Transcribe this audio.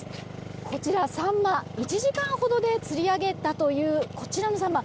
こちら、サンマ１時間ほどで釣り上げたというこちらのサンマ。